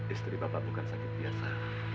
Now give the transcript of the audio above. istri bapak bukan sakit biasa